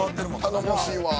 頼もしいわ。